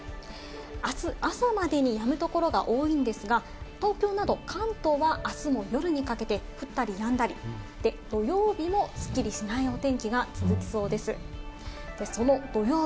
あす朝までにやむところが多いんですが、東京など関東は、あすも夜にかけて降ったりやんだりで、土曜日もすっきりしないお天気が続きそうです。